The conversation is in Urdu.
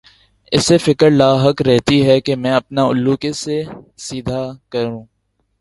اسے فکر لاحق رہتی ہے کہ میں اپنا الو کیسے سیدھا کروں۔